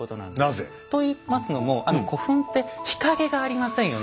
なぜ？といいますのも古墳って日陰がありませんよね。